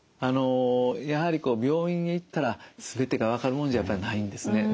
やはり病院へ行ったら全てが分かるもんじゃないんですね。